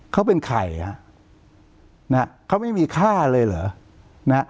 เขาเป็นใครฮะนะฮะเขาไม่มีค่าเลยเหรอนะฮะ